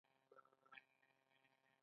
له خسو نه یې یوه برخه جومات ته بېله کړه.